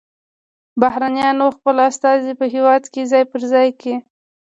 بهرنیانو خپل استازي په هیواد کې ځای پر ځای کړي